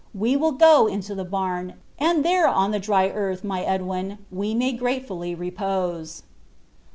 We will go into the barn, and there, on the dry earth, my Edwin, we may gratefully repose."